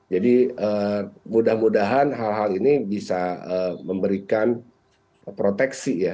jadi mudah mudahan hal hal ini bisa memberikan proteksi ya